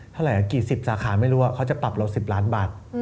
เท่าไหร่กี่สิบสาขาไม่รู้ว่าเขาจะปรับเรา๑๐ล้านบาท